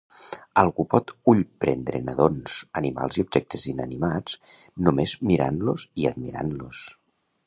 Algú pot "ullprendre" nadons, animals i objectes inanimats només mirant-los i admirant-los.